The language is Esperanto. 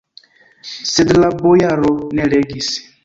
Sed la bojaro ne legis.